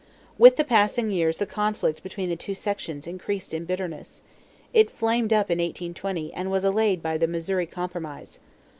With the passing years the conflict between the two sections increased in bitterness. It flamed up in 1820 and was allayed by the Missouri compromise.